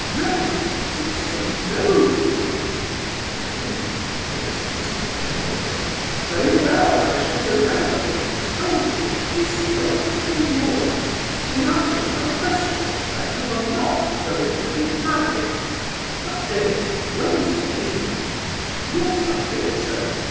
"No? You say no, do you?" continued the pitiless Mrs. General. "Very well, I shall remember that you told me this Wednesday morning, in answer to my question, that you are not going to be married. What day is it, Wednesday, isn't it?" "Yes, I think so!"